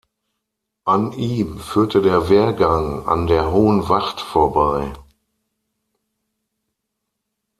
An ihm führte der Wehrgang an der Hohen Wacht vorbei.